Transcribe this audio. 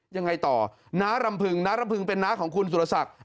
ยังไงต่อน้ารำพึงน้ารำพึงเป็นน้าของคุณสุรศักดิ์